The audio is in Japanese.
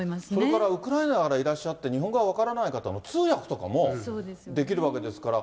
それから、ウクライナからいらっしゃって日本語が分からない方の通訳とかもできるわけですから。